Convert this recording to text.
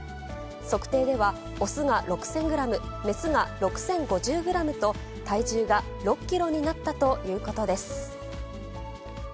測定では雄が６０００グラム、雌が６０５０グラムと、体重が６キロになったということです。